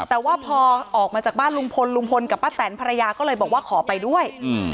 แต่ว่าพอออกมาจากบ้านลุงพลลุงพลกับป้าแตนภรรยาก็เลยบอกว่าขอไปด้วย